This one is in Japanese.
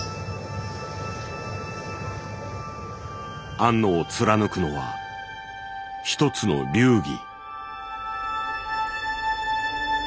庵野を貫くのはひとつの流儀。